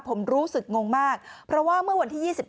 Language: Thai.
ผมรู้สึกงงมากเพราะว่าเมื่อวันที่๒๘